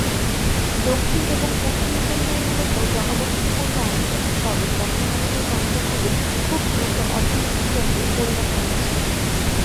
দক্ষিণ এবং পশ্চিম চেন্নাই মূলত জনবসতিপূর্ণ অঞ্চল তবে বর্তমানে এই অঞ্চলগুলো খুব দ্রুত অর্থনৈতিক কেন্দ্রে পরিণত হচ্ছে।